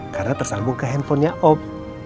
karena tersambung ke handphonenya op